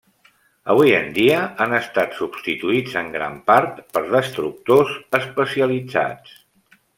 Avui en dia han estat substituïts en gran part per destructors especialitzats.